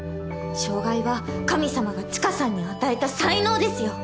障害は神様が知花さんに与えた才能ですよ。